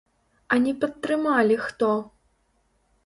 А не падтрымалі хто?